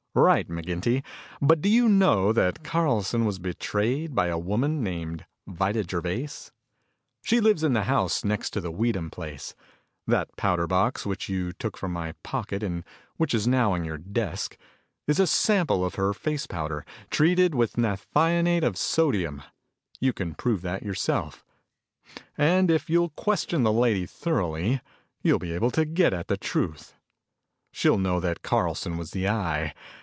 "Right, McGinty. But do you know that Carlson was betrayed by a woman named Vida Gervais? She lives in the house next to the Weedham place. That powder box which you took from my pocket and which is now on your desk, is a sample of her face powder, treated with naphthionate of sodium. You can prove that yourself. And if you'll question the lady thoroughly, you'll be able to get at the truth. She'll know that Carlson was the Eye.